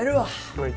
はい。